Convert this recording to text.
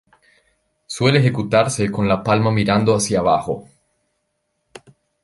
Suele ejecutarse con la palma mirando hacia abajo.